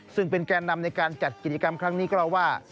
ซึ่งเป็นแกนนำในการจัดกิจกรรมครั้งนี้ก็เล่าว่า